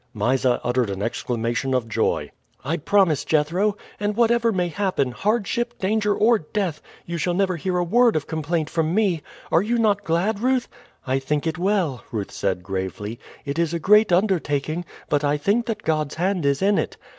Mysa uttered an exclamation of joy. "I promise, Jethro; and whatever may happen hardship, danger, or death you shall never hear a word of complaint from me. Are you not glad, Ruth?" "I think it well," Ruth said gravely. "It is a great undertaking; but I think that God's hand is in it.